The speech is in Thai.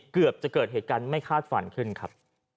เกือบจะเกิดเหตุการณ์ไม่คาดฝันขึ้นครับ